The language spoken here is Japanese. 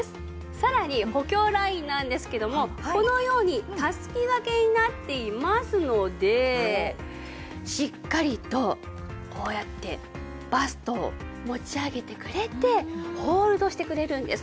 さらに補強ラインなんですけどもこのようにタスキ掛けになっていますのでしっかりとこうやってバストを持ち上げてくれてホールドしてくれるんです。